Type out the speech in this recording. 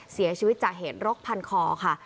เสียชีวิตจากเหตุรกพันคอค่ะ